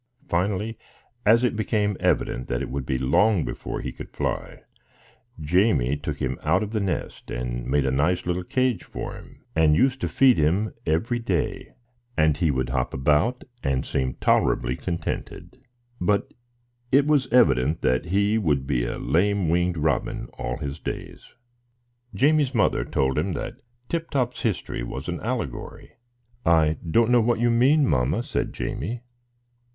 Finally, as it became evident that it would be long before he could fly, Jamie took him out of the nest, and made a nice little cage for him, and used to feed him every day, and he would hop about and seem tolerably contented; but it was evident that he would be a lame winged robin all his days. [Picture: Feeding the lame Robin] Jamie's mother told him that Tip Top's history was an allegory. "I don't know what you mean, mamma," said Jamie.